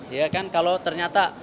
ya kan kalau ternyata